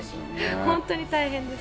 本当に大変です。